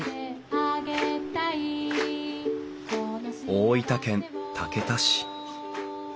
大分県竹田市。